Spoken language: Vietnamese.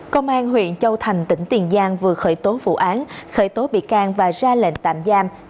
công an huyện châu thành tỉnh tiền giang vừa khởi tố vụ án khởi tố bị can và ra lệnh tạm giam